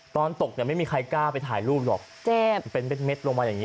ตอนตกเนี่ยไม่มีใครกล้าไปถ่ายรูปหรอกเจ็บเป็นเม็ดลงมาอย่างนี้